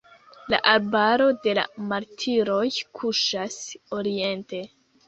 La arbaro de la martiroj kuŝas oriente.